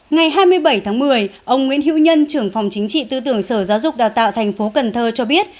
ngày hai mươi bảy tháng một mươi ông nguyễn hữu nhân trưởng phòng chính trị tư tưởng sở giáo dục đào tạo tp cn cho biết